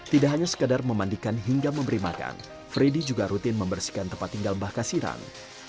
tidak hanya sekadar memandikan hingga memberi makan freddy juga rutin membersihkan tempat tinggal mbah kasiran